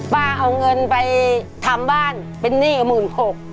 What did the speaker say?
เอาเงินไปทำบ้านเป็นหนี้หมื่นหก